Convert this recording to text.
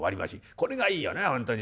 これがいいよな本当にね。